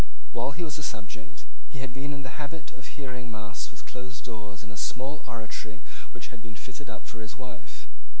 While he was a subject, he had been in the habit of hearing mass with closed doors in a small oratory which had been fitted up for his wife.